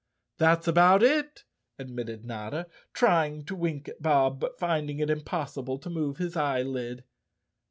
"That's about it," admitted Notta, trying to wink at Bob, but finding it impossible to move his eyelid.